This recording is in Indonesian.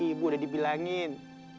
ibu udah dibilangin